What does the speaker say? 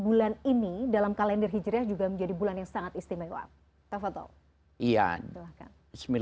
bulan ini dalam kalender hijriah juga menjadi bulan yang sangat istimewa iya